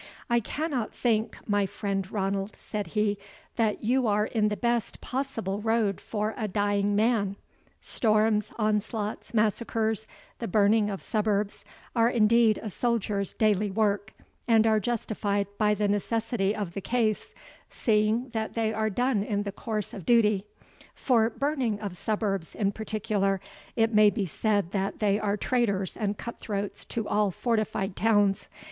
"I cannot think, my friend Ranald," said he, "that you are in the best possible road for a dying man. Storms, onslaughts, massacres, the burning of suburbs, are indeed a soldier's daily work, and are justified by the necessity of the case, seeing that they are done in the course of duty; for burning of suburbs, in particular, it may be said that they are traitors and cut throats to all fortified towns.